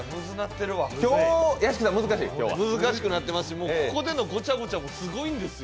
難しくなってます、ここでのごちゃごちゃもすごいんですよ。